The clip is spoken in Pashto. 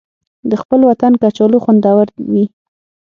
د خپل وطن کچالو خوندور وي